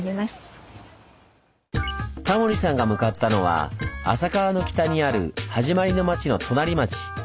タモリさんが向かったのは浅川の北にあるはじまりの町のとなり町。